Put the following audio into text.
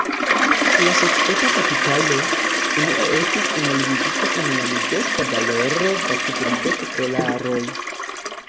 La societa kapitalo, unue estis enlimigita en la modesta valoro da kvindek dolaroj.